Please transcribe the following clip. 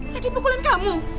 radit pukulin kamu